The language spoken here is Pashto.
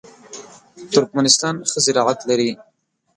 ترکمنستان ښه زراعت لري.